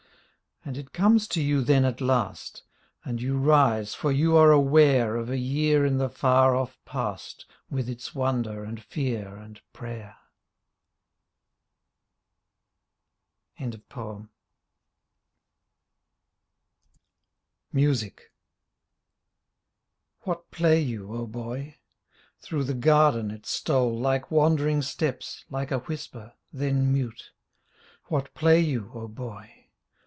And it comes to you then at last — And you rise for you are aware Of a year in the far off past With its wonder and fear and prayer. 28 MUSIC What play you, O Boy? Through the garden it stole Like wandering steps, like a whisper — then mute; What play you, O Boy?